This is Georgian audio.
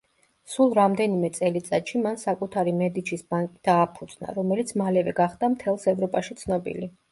სულ რამდენიმე წელიწადში მან საკუთარი მედიჩის ბანკი დააფუძნა, რომელიც მალევე გახდა მთელს ევროპაში ცნობილი.